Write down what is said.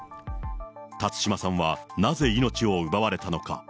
辰島さんはなぜ、命を奪われたのか。